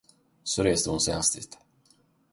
Så reste hon sig hastigt.